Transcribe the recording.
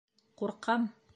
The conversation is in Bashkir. Ҡурҡам.